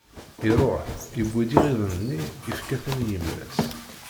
Iṛuḥ, iwwi-d iɣiden-nni, ifka-ten i yemma-s.